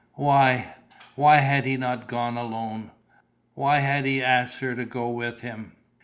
Why ... why had he not gone alone? Why had he asked her to go with him?